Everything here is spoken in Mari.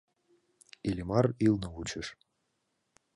Иллимар ӱлнӧ вучыш.